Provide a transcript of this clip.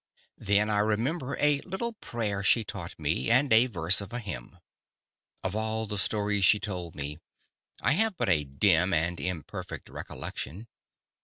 Then I remember a little prayer she taught me, and a verse of a hymn. Of all the stories she told me, I have but a dim and imperfect recollection.